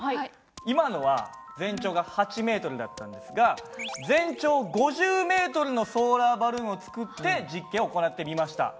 今のは全長が８ｍだったんですが全長５０ｍのソーラーバルーンを作って実験を行ってみました。